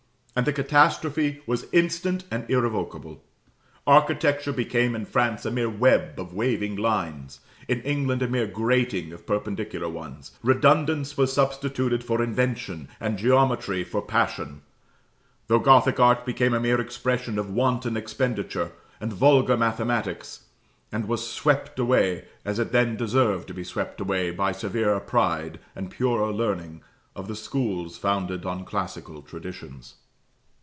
And the catastrophe was instant and irrevocable. Architecture became in France a mere web of waving lines, in England a mere grating of perpendicular ones. Redundance was substituted for invention, and geometry for passion; tho Gothic art became a mere expression of wanton expenditure, and vulgar mathematics; and was swept away, as it then deserved to be swept away, by the severer pride, and purer learning, of the schools founded on classical traditions.